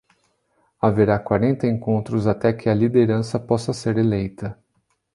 Haverá quarenta encontros até que a liderança possa ser eleita